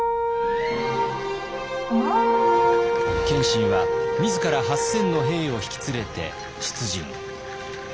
謙信は自ら８，０００の兵を引き連れて出陣。